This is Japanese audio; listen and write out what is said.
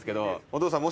お父さん。